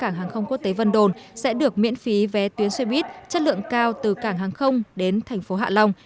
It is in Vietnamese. cảng hàng không quốc tế vân đồn sẽ được miễn phí vé tuyến xe buýt chất lượng cao từ cảng hàng không đến thành phố hạ long